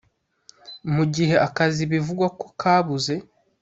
Mu gihe akazi bivugwa ko kabuze